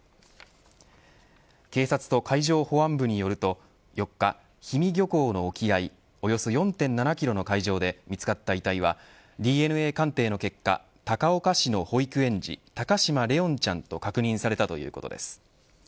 警察と海上保安部によると４日、氷見漁港の沖合およそ４．７キロの海上で見つかった遺体はＤＮＡ鑑定の結果、高岡市の保育園児高嶋怜音ちゃんと確認されたということです。